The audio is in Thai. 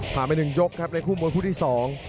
ผ่านไปหนึ่งยกครับในคู่มดผู้ที่สอง